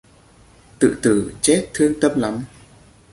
Tự tử chết thương tâm lắm